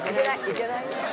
いけないね。